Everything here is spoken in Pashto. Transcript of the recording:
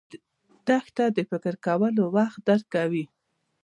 دښته د فکر کولو وخت درکوي.